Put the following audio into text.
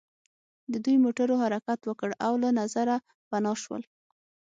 د دوی موټرو حرکت وکړ او له نظره پناه شول